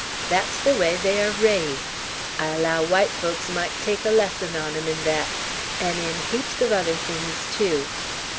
Thet's ther way they air raised; I allow white folks might take a lesson on 'em, in thet; 'n' in heaps uv other things tew.